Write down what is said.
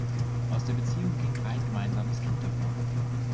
Aus der Beziehung ging ein gemeinsames Kind hervor.